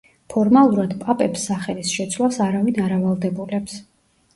ფორმალურად პაპებს სახელის შეცვლას არავინ არ ავალდებულებს.